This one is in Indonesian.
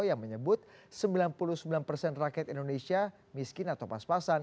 yang menyebut sembilan puluh sembilan persen rakyat indonesia miskin atau pas pasan